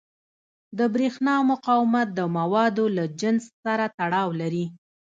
د برېښنا مقاومت د موادو له جنس سره تړاو لري.